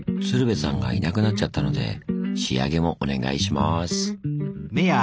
鶴瓶さんがいなくなっちゃったので仕上げもお願いします。